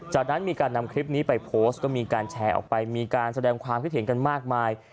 จากนั้นมีการนำคลิปนี้ไปโพสต์ก็มีการแชร์ออกไปมีการแสดงความคิดเห็นกันมากมาย